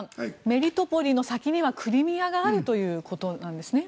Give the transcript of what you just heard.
メリトポリの先にはクリミアがあるということなんですね。